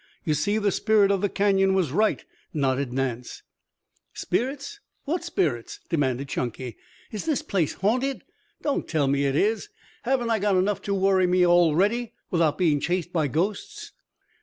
You see, the spirit of the Canyon was right," nodded Nance. "Spirits? What spirits?" demanded Chunky. "Is this place haunted? Don't tell me it is. Haven't I got enough to worry me already without being chased by ghosts?